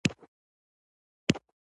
ایا هغه ښه شو؟